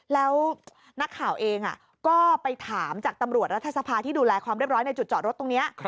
แล้วนักข่าวเองก็ไปถามจากตำรวจรัฐสภาที่ดูแลความเรียบร้อยในจุดจอดรถตรงนี้